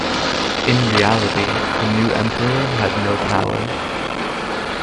In reality, the new Emperor had no power.